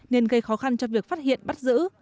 nên gây khó khăn cho việc phát hiện bắt giữ